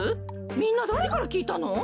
みんなだれからきいたの？